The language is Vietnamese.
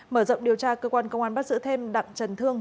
mở rộng điều tra cơ quan công an bắt giữ thêm đặng trần thương